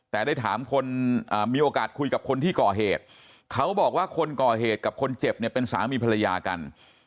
แต่ได้ถามคนมีโอกาสคุยกับคนที่ก่อเหตุเขาบอกว่าคนก่อเหตุกับคนเจ็บเนี่ยเป็นสามีภรรยากัน